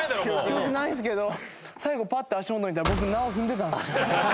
記憶ないんですけど最後パッと足元を見たら僕縄踏んでたんですよ。